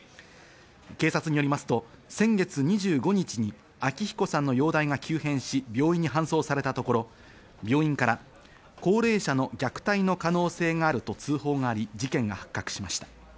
警察によりますと先月２５日に昭彦さんの容体が急変し、病院に搬送されたところ、病院から高齢者の虐待の可能性があると通報があり、事件が発覚しました。